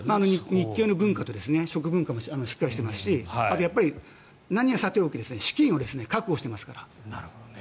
日系の文化と食文化もしっかりしてますし、あとは何はさておき資金を確保してますから。